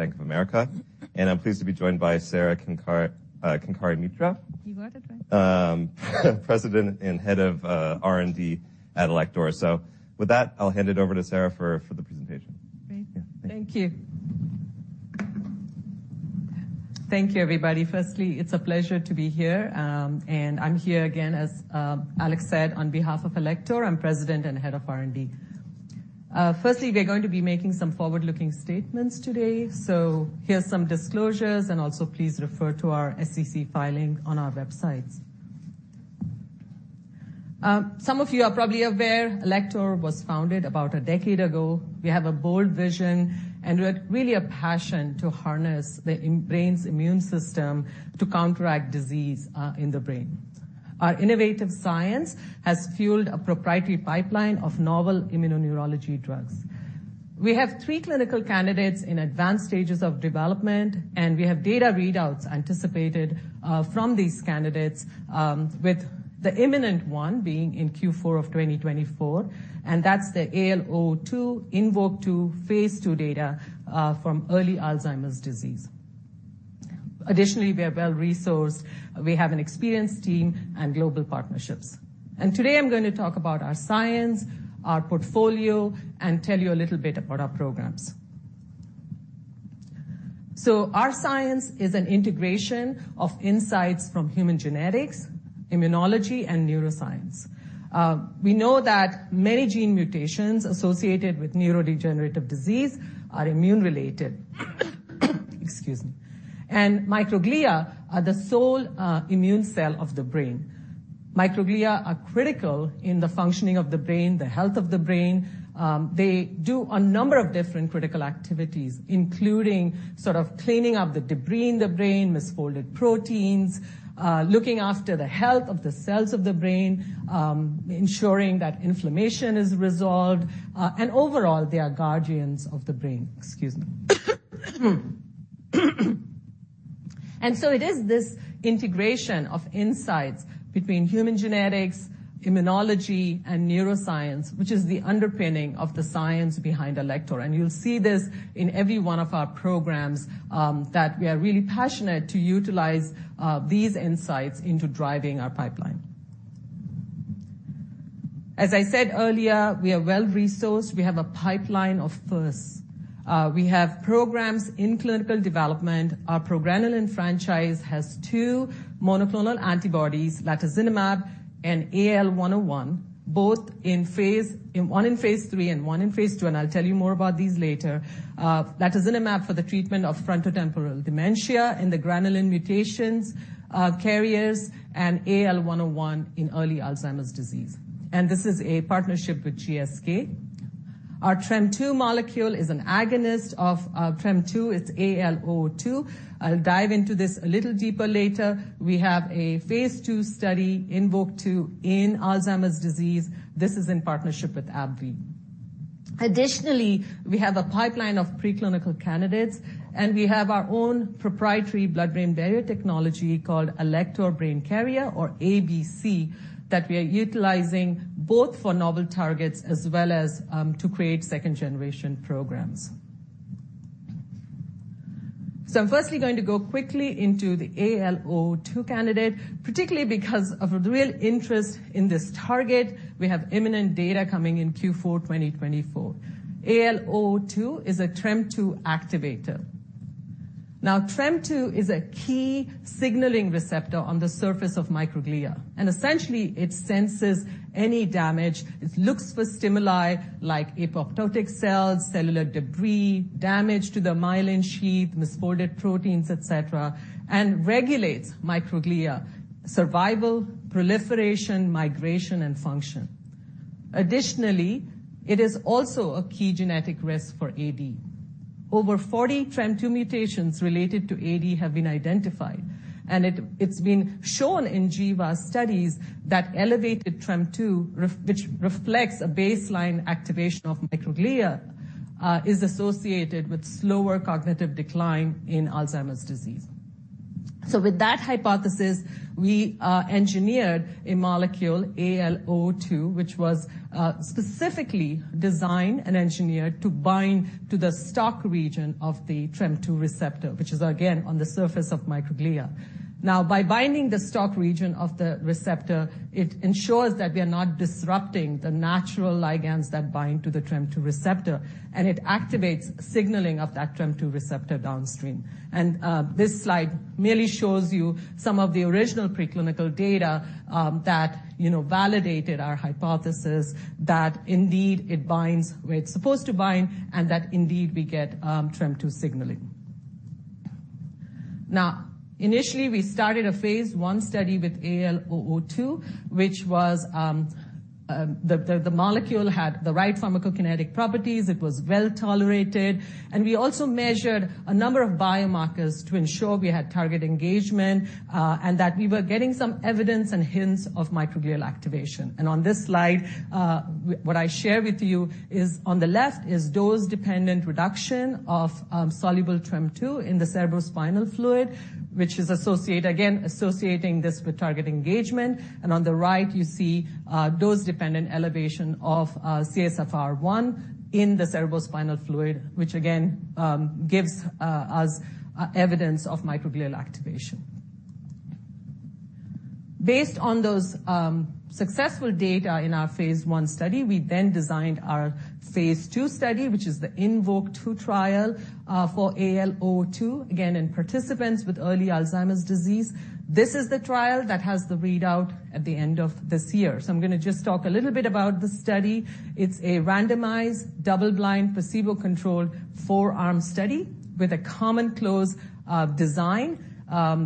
Bank of America. I'm pleased to be joined by Sara Kenkare-Mitra. You got it, right? President and Head of R&D at Alector. So with that, I'll hand it over to Sara for, for the presentation. Great. Yeah. Thank you. Thank you, everybody. Firstly, it's a pleasure to be here. I'm here again as, Alec said, on behalf of Alector. I'm President and Head of R&D. Firstly, we're going to be making some forward-looking statements today. So here's some disclosures, and also please refer to our SEC filing on our websites. Some of you are probably aware, Alector was founded about a decade ago. We have a bold vision and really a passion to harness the brain's immune system to counteract disease, in the brain. Our innovative science has fueled a proprietary pipeline of novel immunoneurology drugs. We have three clinical candidates in advanced stages of development, and we have data readouts anticipated, from these candidates, with the imminent one being in Q4 of 2024, and that's the AL002 INVOKE-2 phase II data, from early Alzheimer's disease. Additionally, we are well-resourced. We have an experienced team and global partnerships. Today I'm going to talk about our science, our portfolio, and tell you a little bit about our programs. Our science is an integration of insights from human genetics, immunology, and neuroscience. We know that many gene mutations associated with neurodegenerative disease are immune-related. Excuse me. Microglia are the sole immune cell of the brain. Microglia are critical in the functioning of the brain, the health of the brain. They do a number of different critical activities, including sort of cleaning up the debris in the brain, misfolded proteins, looking after the health of the cells of the brain, ensuring that inflammation is resolved, and overall, they are guardians of the brain. Excuse me. It is this integration of insights between human genetics, immunology, and neuroscience which is the underpinning of the science behind Alector. You'll see this in every one of our programs, that we are really passionate to utilize these insights into driving our pipeline. As I said earlier, we are well-resourced. We have a pipeline of firsts. We have programs in clinical development. Our progranulin franchise has two monoclonal antibodies, latozinemab and AL101, both in phase I in phase III and I in phase II, and I'll tell you more about these later. Latozinemab for the treatment of frontotemporal dementia in the progranulin mutations carriers, and AL101 in early Alzheimer's disease. This is a partnership with GSK. Our TREM2 molecule is an agonist of TREM2. It's AL002. I'll dive into this a little deeper later. We have a phase II study, INVOKE-2, in Alzheimer's disease. This is in partnership with AbbVie. Additionally, we have a pipeline of preclinical candidates, and we have our own proprietary blood-brain barrier technology called Alector Brain Carrier, or ABC, that we are utilizing both for novel targets as well as to create second-generation programs. So I'm firstly going to go quickly into the AL002 candidate, particularly because of real interest in this target. We have imminent data coming in Q4 2024. AL002 is a TREM2 activator. Now, TREM2 is a key signaling receptor on the surface of microglia. And essentially, it senses any damage. It looks for stimuli like apoptotic cells, cellular debris, damage to the myelin sheath, misfolded proteins, etc., and regulates microglia survival, proliferation, migration, and function. Additionally, it is also a key genetic risk for AD. Over 40 TREM2 mutations related to AD have been identified, and it's been shown in GWAS studies that elevated TREM2, which reflects a baseline activation of microglia, is associated with slower cognitive decline in Alzheimer's disease. So with that hypothesis, we engineered a molecule, AL002, which was specifically designed and engineered to bind to the stalk region of the TREM2 receptor, which is again on the surface of microglia. Now, by binding the stalk region of the receptor, it ensures that we are not disrupting the natural ligands that bind to the TREM2 receptor, and it activates signaling of that TREM2 receptor downstream. And this slide merely shows you some of the original preclinical data that you know validated our hypothesis that indeed it binds where it's supposed to bind, and that indeed we get TREM2 signaling. Now, initially, we started a phase I study with AL002, which was, the molecule had the right pharmacokinetic properties. It was well-tolerated. And we also measured a number of biomarkers to ensure we had target engagement, and that we were getting some evidence and hints of microglial activation. And on this slide, what I share with you is on the left is dose-dependent reduction of, soluble TREM2 in the cerebrospinal fluid, which is associated again, associating this with target engagement. And on the right, you see, dose-dependent elevation of, CSF1R in the cerebrospinal fluid, which again, gives, us evidence of microglial activation. Based on those, successful data in our phase I study, we then designed our phase II study, which is the INVOKE-2 trial, for AL002, again, in participants with early Alzheimer's disease. This is the trial that has the readout at the end of this year. So I'm going to just talk a little bit about the study. It's a randomized, double-blind, placebo-controlled four-arm study with a common-close design.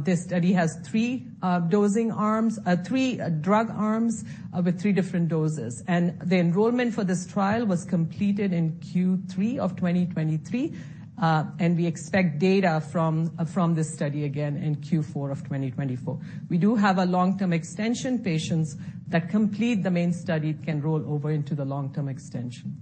This study has three dosing arms, three drug arms, with three different doses. The enrollment for this trial was completed in Q3 of 2023, and we expect data from this study again in Q4 of 2024. We do have a long-term extension patients that complete the main study can roll over into the long-term extension.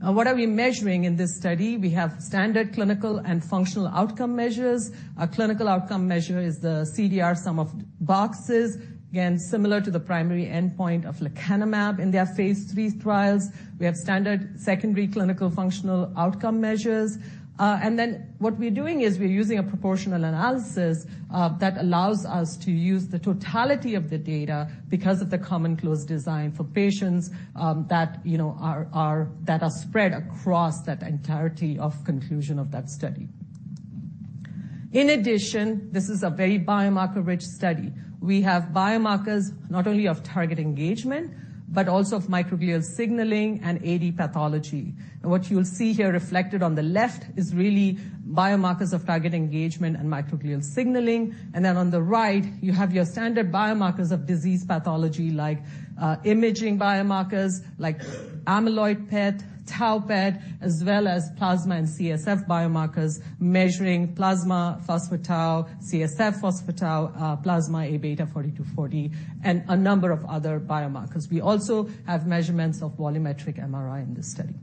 Now, what are we measuring in this study? We have standard clinical and functional outcome measures. A clinical outcome measure is the CDR sum of boxes, again, similar to the primary endpoint of lecanemab in their phase III trials. We have standard secondary clinical functional outcome measures. What we're doing is we're using a proportional analysis that allows us to use the totality of the data because of the common close design for patients that, you know, are spread across that entirety of the continuum of that study. In addition, this is a very biomarker-rich study. We have biomarkers not only of target engagement but also of microglial signaling and AD pathology. And what you'll see here reflected on the left is really biomarkers of target engagement and microglial signaling. And then on the right, you have your standard biomarkers of disease pathology like imaging biomarkers like amyloid PET, tau PET, as well as plasma and CSF biomarkers measuring plasma phospho-tau, CSF phospho-tau, plasma Aβ 42/40, and a number of other biomarkers. We also have measurements of volumetric MRI in this study.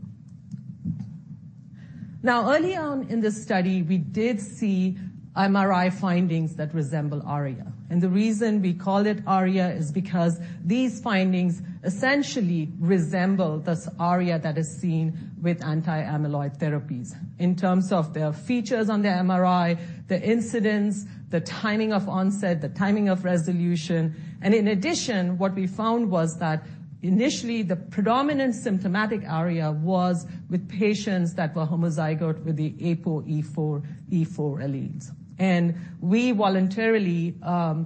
Now, early on in this study, we did see MRI findings that resemble ARIA. The reason we call it ARIA is because these findings essentially resemble this ARIA that is seen with anti-amyloid therapies in terms of their features on the MRI, the incidence, the timing of onset, the timing of resolution. In addition, what we found was that initially, the predominant symptomatic ARIA was with patients that were homozygous for the ApoE4/E4 alleles. We voluntarily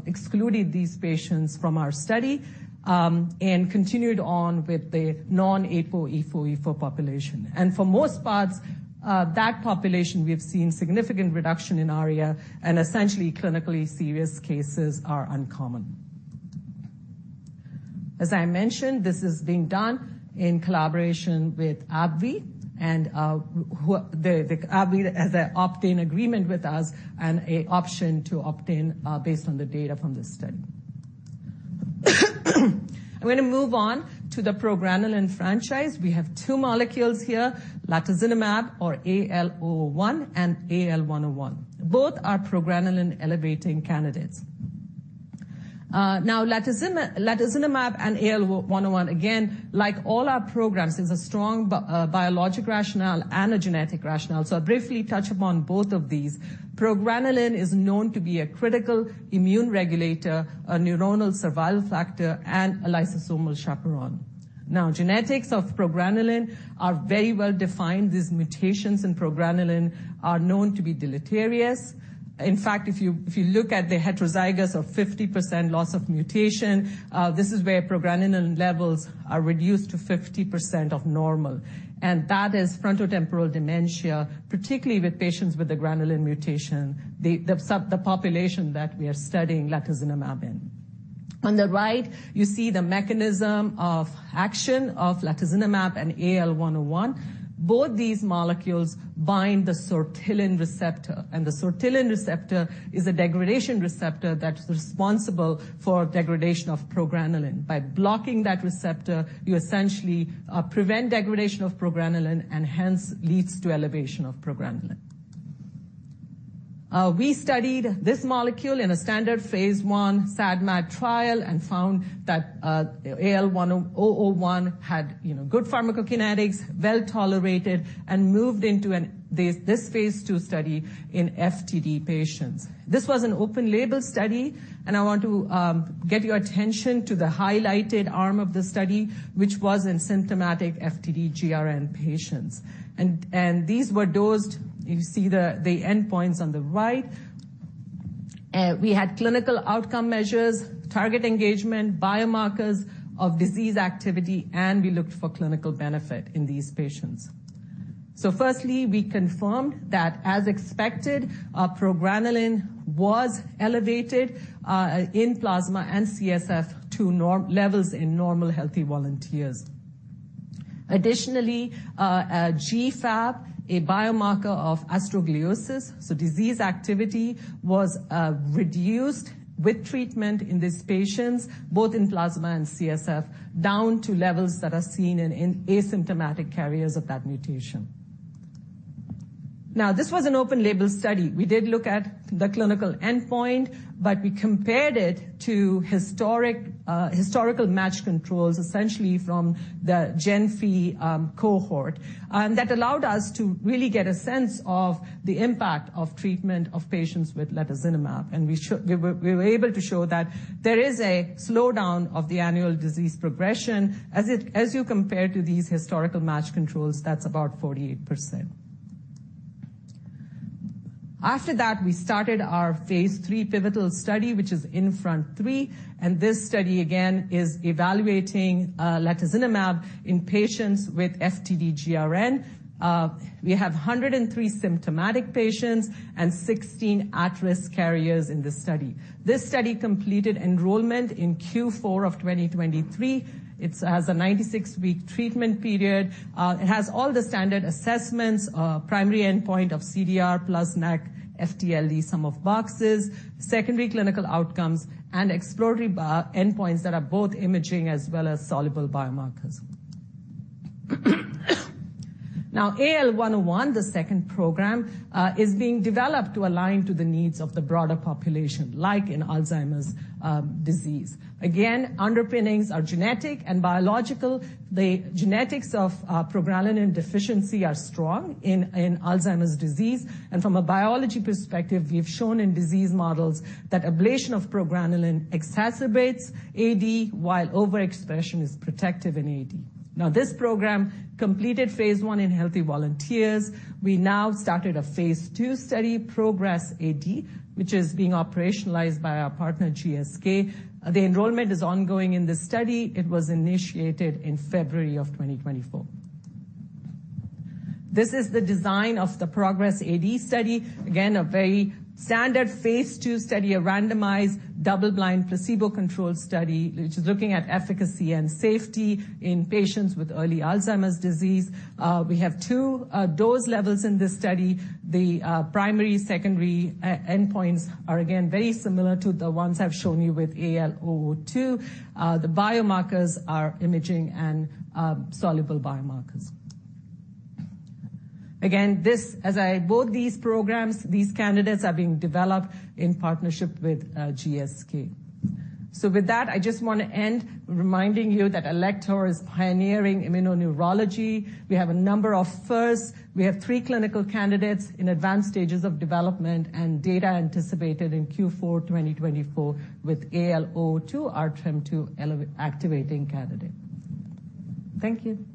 excluded these patients from our study and continued on with the non-ApoE4/E4 population. For most parts, that population, we have seen significant reduction in ARIA, and essentially, clinically serious cases are uncommon. As I mentioned, this is being done in collaboration with AbbVie, and AbbVie has obtained an agreement with us and an option to obtain, based on the data from this study. I'm going to move on to the progranulin franchise. We have two molecules here, latozinemab, or AL001, and AL101. Both are progranulin elevating candidates. Now, latozinemab and AL101, again, like all our programs, there's a strong biologic rationale and a genetic rationale. So I'll briefly touch upon both of these. Progranulin is known to be a critical immune regulator, a neuronal survival factor, and a lysosomal chaperone. Now, genetics of progranulin are very well defined. These mutations in progranulin are known to be deleterious. In fact, if you look at the heterozygous or 50% loss of mutation, this is where progranulin levels are reduced to 50% of normal. And that is frontotemporal dementia, particularly with patients with the GRN mutation, the subpopulation that we are studying latozinemab in. On the right, you see the mechanism of action of latozinemab and AL101. Both these molecules bind the sortilin receptor, and the sortilin receptor is a degradation receptor that's responsible for degradation of progranulin. By blocking that receptor, you essentially prevent degradation of progranulin and hence leads to elevation of progranulin. We studied this molecule in a standard phase I SAD/MAD trial and found that AL101 had, you know, good pharmacokinetics, well-tolerated, and moved into and this phase II study in FTD patients. This was an open-label study, and I want to get your attention to the highlighted arm of the study, which was in symptomatic FTD GRN patients. And these were dosed. You see the endpoints on the right. We had clinical outcome measures, target engagement, biomarkers of disease activity, and we looked for clinical benefit in these patients. So firstly, we confirmed that, as expected, progranulin was elevated in plasma and CSF progranulin levels in normal healthy volunteers. Additionally, GFAP, a biomarker of astrogliosis, so disease activity, was reduced with treatment in these patients, both in plasma and CSF, down to levels that are seen in asymptomatic carriers of that mutation. Now, this was an open-label study. We did look at the clinical endpoint, but we compared it to historical match controls, essentially from the GENFI cohort. That allowed us to really get a sense of the impact of treatment of patients with latozinemab. And we showed we were able to show that there is a slowdown of the annual disease progression. As you compare to these historical match controls, that's about 48%. After that, we started our phase III pivotal study, which is INFRONT-3. And this study, again, is evaluating latozinemab in patients with FTD GRN. We have 103 symptomatic patients and 16 at-risk carriers in this study. This study completed enrollment in Q4 of 2023. It has a 96-week treatment period. It has all the standard assessments, primary endpoint of CDR plus NACC FTLD sum of boxes, secondary clinical outcomes, and exploratory endpoints that are both imaging as well as soluble biomarkers. Now, AL101, the second program, is being developed to align to the needs of the broader population, like in Alzheimer's disease. Again, underpinnings are genetic and biological. The genetics of progranulin deficiency are strong in in Alzheimer's disease. From a biology perspective, we have shown in disease models that ablation of progranulin exacerbates AD while overexpression is protective in AD. Now, this program completed phase I in healthy volunteers. We now started a phase II study, PROGRESS-AD, which is being operationalized by our partner GSK. The enrollment is ongoing in this study. It was initiated in February of 2024. This is the design of the PROGRESS-AD study, again, a very standard phase II study, a randomized, double-blind placebo-controlled study, which is looking at efficacy and safety in patients with early Alzheimer's disease. We have two dose levels in this study. The primary secondary endpoints are again very similar to the ones I've shown you with AL002. The biomarkers are imaging and soluble biomarkers. Again, this as I both these programs, these candidates are being developed in partnership with GSK. So with that, I just want to end reminding you that Alector is pioneering immunoneurology. We have a number of firsts. We have three clinical candidates in advanced stages of development and data anticipated in Q4 2024 with AL002, our TREM2 elevating activating candidate. Thank you.